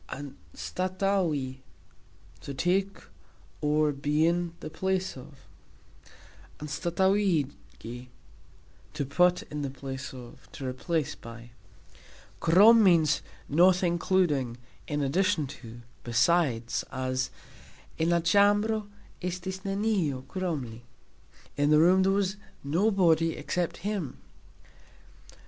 "Anstatauxi", to take (or, be in) the place of; "anstatauxigi", to put in the place of, to replace (by). "Krom" means "not including, in addition to, besides", as "En la cxambro estis neniu krom li", In the room there was nobody except him.